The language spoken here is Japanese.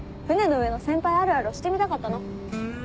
船の上の先輩あるあるをしてみたかったの。